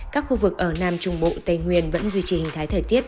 các khu vực ở nam trung bộ tây nguyên vẫn duy trì hình thái thời tiết